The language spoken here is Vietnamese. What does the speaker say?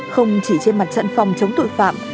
không chỉ trên mặt trận phòng chống tội phạm